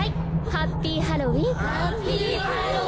ハッピーハロウィン！